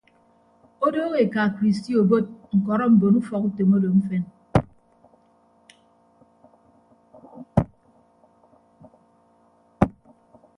Odooho eka kristi obot ñkọrọ mbon ufọkutom odo mfen.